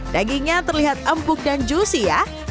dagingnya terlihat empuk dan juicy ya